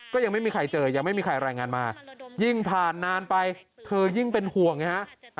ก็ยังไม่มีใครเจอยังไม่มีใครรายงานมายิ่งผ่านนานไปเธอยิ่งเป็นห่วงไงฮะ